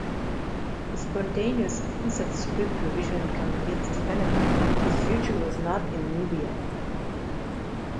A spontaneous on-set script revision convinced Fenneman his future was not in movie acting.